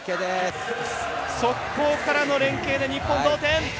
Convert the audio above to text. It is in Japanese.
速攻からの連係で日本同点！